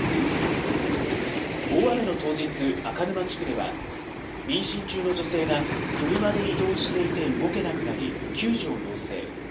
大雨の当日、赤沼地区では、妊娠中の女性が車で移動していて動けなくなり、救助を要請。